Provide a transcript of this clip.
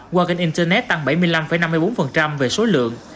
wallet internet tăng bảy mươi năm năm mươi bốn về số lượng